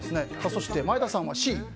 そして前田さんはＣ。